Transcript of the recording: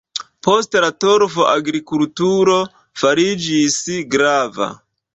Post la torfo agrikulturo fariĝis grava.